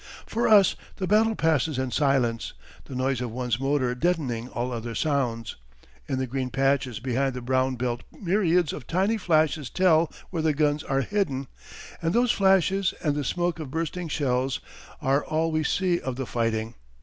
For us the battle passes in silence, the noise of one's motor deadening all other sounds. In the green patches behind the brown belt myriads of tiny flashes tell where the guns are hidden; and those flashes, and the smoke of bursting shells, are all we see of the fighting.